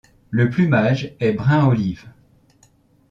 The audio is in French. Le plumage est brun-olive.